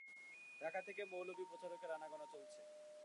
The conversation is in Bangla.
ঢাকা থেকে মৌলবি প্রচারকের আনাগোনা চলছে।